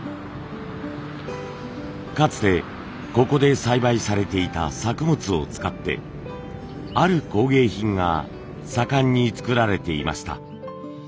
かつてここで栽培されていた作物を使ってある工芸品が盛んに作られていました。